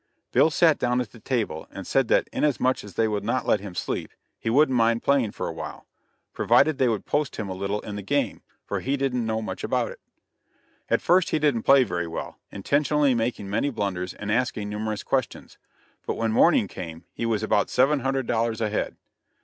Bill sat down at the table, and said that, inasmuch as they would not let him sleep, he wouldn't mind playing for a while, provided they would post him a little in the game, for he didn't know much about it. At first he didn't play very well, intentionally making many blunders and asking numerous questions; but when morning came, he was about seven hundred dollars ahead.